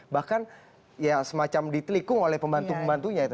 bahkan ya semacam ditelikung oleh pembantu pembantunya itu